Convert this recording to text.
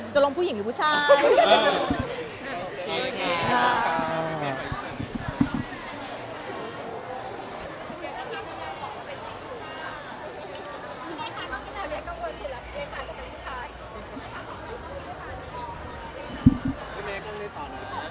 ลงผู้หญิงหรือผู้ชาย